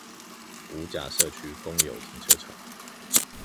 五甲社區公有停車場